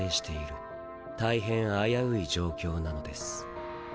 大変危うい状況なのです。